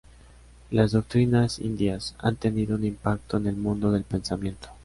Las doctrinas indias han tenido un impacto en el mundo del pensamiento.